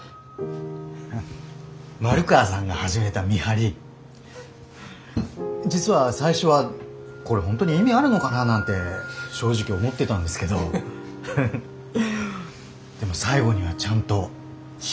丸川さんが始めた見張り実は最初は「これ本当に意味あるのかな」なんて正直思ってたんですけどでも最後にはちゃんと日置を見つけることができた。